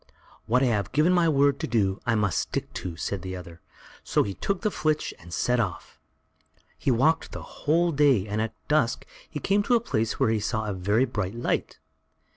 "What I have given my word to do, I must stick to," said the other; so he took the flitch and set off. He walked the whole day, and at dusk he came to a place where he saw a very bright light.